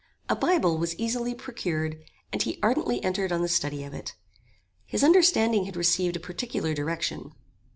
A Bible was easily procured, and he ardently entered on the study of it. His understanding had received a particular direction.